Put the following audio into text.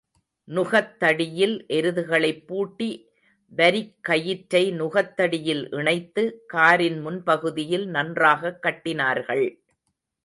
நுகத்தடியில் எருதுகளைப் பூட்டி வரிக்கயிற்றை நுகத் தடியில் இணைத்து, காரின் முன்பகுதியில் நன்றாகக் கட்டினார்கள்.